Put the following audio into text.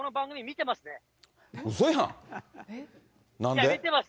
いや、見てます。